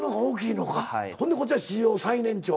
ほんでこっちは史上最年長。